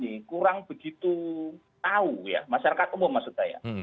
ini kurang begitu tahu ya masyarakat umum maksud saya